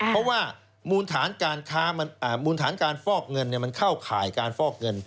เพราะว่ามูลฐานการฟอกเงินเข้าขายการฟอกเงิน